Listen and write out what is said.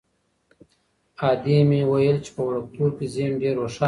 ادې مې ویل چې په وړکتوب کې ذهن ډېر روښانه وي.